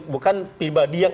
bukan pribadi yang